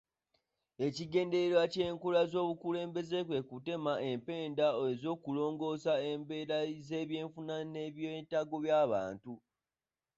Ekigendererwa ky'enkola z'obukulembeze kwe kutema empenda ez'okulongoosa embeera z'ebyenfuna n'ebyetaago by'omuntu.